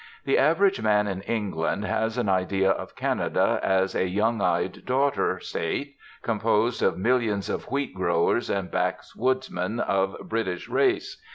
The average man in England has an idea of Canada as a young eyed daughter State, composed of millions of wheat growers and backwoodsmen of British race.